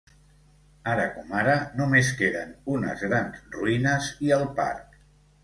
Ara com ara només queden unes grans ruïnes i el parc.